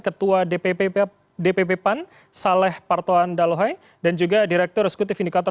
ketua dpp pan saleh partoan dalohai dan juga direktur eksekutif indikator